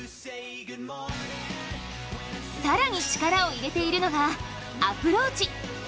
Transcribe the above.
更に、力を入れているのがアプローチ。